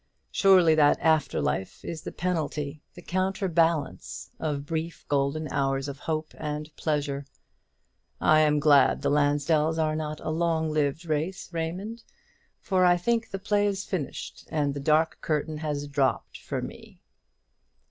Surely that after life is the penalty, the counter balance, of brief golden hours of hope and pleasure. I am glad the Lansdells are not a long lived race, Raymond; for I think the play is finished, and the dark curtain has dropped for me!"